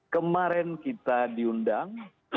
kemarin kita diundang